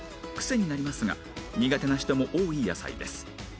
クセになりますが苦手な人も多い野菜です